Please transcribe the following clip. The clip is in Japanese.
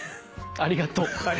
ありがとう。